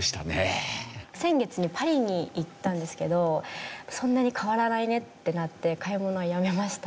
先月にパリに行ったんですけどそんなに変わらないねってなって買い物はやめました。